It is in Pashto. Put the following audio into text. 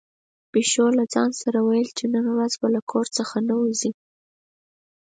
پيشو له ځان سره ویل چې نن ورځ به له کور څخه نه وځي.